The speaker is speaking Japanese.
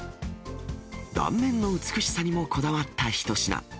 断面の美しさにもこだわった一品。